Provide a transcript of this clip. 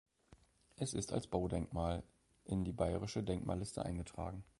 Es ist als Baudenkmal in die Bayerische Denkmalliste eingetragen.